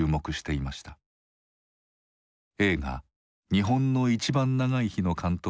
映画「日本のいちばん長い日」の監督